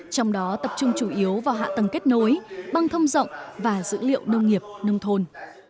trong đó tập trung chủ yếu vào hạ tầng kết nối băng thông rộng và dữ liệu nông nghiệp nông thôn